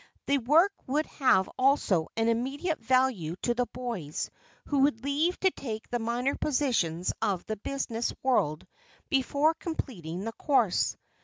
The work would have also an immediate value to the boys who would leave to take the minor positions of the business world before completing the course.